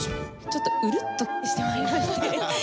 ちょっとウルッとしてまいりまして。